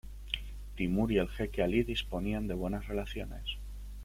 Timur y el jeque Ali disponían de buenas relaciones.